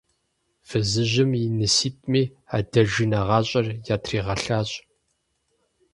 Фызыжьым и ныситӀми адэжынэ гъащӀэр ятригъэлъащ.